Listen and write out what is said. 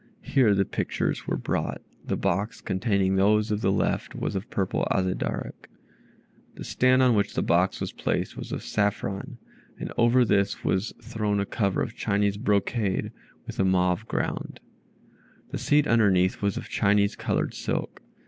Here the pictures were brought. The box, containing those of the left was of purple Azedarach. The stand on which the box was placed was of safran, and over this was thrown a cover of Chinese brocade with a mauve ground. The seat underneath was of Chinese colored silk.